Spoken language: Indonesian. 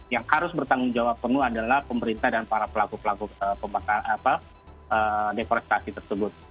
yang harus bertanggung jawab penuh adalah pemerintah dan para pelaku pelaku deforestasi tersebut